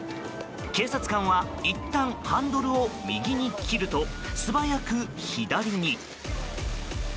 警察官は、いったんハンドルを右に切ると、素早く左に。